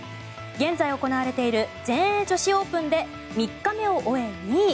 現在行われている全英女子オープンで３日目を終え２位。